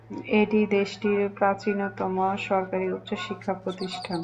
এটিই দেশটির প্রাচীনতম সরকারি উচ্চশিক্ষা প্রতিষ্ঠান।